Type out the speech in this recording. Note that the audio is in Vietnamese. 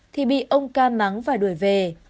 thì bị ông cai mắng và đuổi về